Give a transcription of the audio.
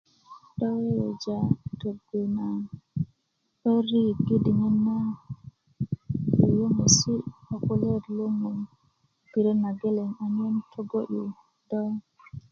do weweja' tögu na 'barik yi diŋit na yöyöŋesi' ko kulyet lo ŋun i pirit na geleŋ anyen togo'yu do